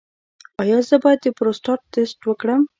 ایا زه باید د پروستات ټسټ وکړم؟